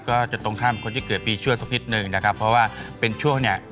ก็จะตรงข้ามคนที่เกิดปีชั่วสักนิดนึงนะครับเพราะว่าเป็นช่วงเนี่ย